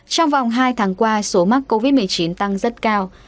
trong vòng hai tháng qua số mắc covid một mươi chín tăng rất cao